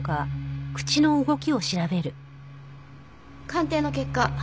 鑑定の結果